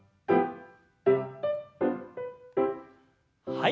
はい。